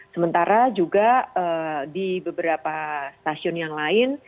sementara juga di beberapa stasiun yang lain